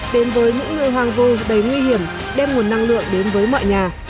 đến với những người hoang vô đầy nguy hiểm đem nguồn năng lượng đến với mọi nhà